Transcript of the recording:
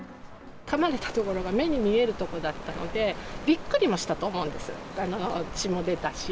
かまれた所が目に見える所だったので、びっくりはしたと思うんです、血も出たし。